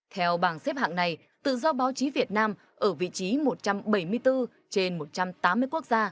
theo bảng xếp hạng này tự do báo chí việt nam ở vị trí một trăm bảy mươi bốn trên một trăm tám mươi quốc gia